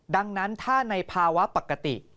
ดังนั้นถ้าในภาวะปกติ